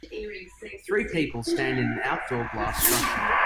Three people stand in an outdoor glass structure.